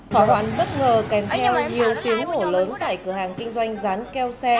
hỏa hoạn bất ngờ kèm theo nhiều tiếng hổ lớn tại cửa hàng kinh doanh dán keo xe